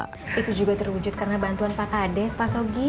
itu juga terwujud karena bantuan pak kades pak sogi